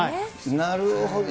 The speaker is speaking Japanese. なるほど。